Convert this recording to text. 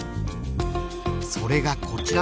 それがこちら。